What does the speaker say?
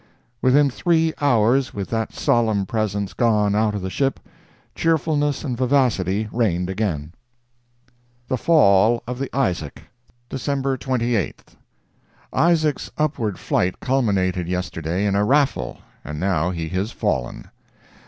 Within three hours, with that solemn presence gone out of the ship, cheerfulness and vivacity reigned again. THE FALL OF THE ISAAC DECEMBER 28th.—Isaac's upward flight culminated yesterday in a raffle, and now he is fallen!